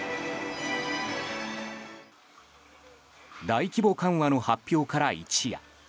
大規模緩和の発表から一夜。